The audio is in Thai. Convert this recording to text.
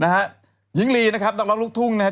หญิงลีนะครับนักร้องลูกทุ่งนะครับ